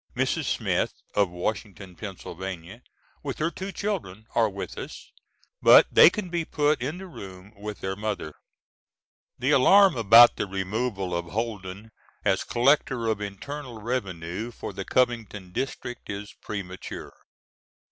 Mrs. Smith of Washington, Pa., with her two children are with us, but they can be put in the room with their mother. The alarm about the removal of Holden as Collector of Internal Revenue for the Covington district is premature.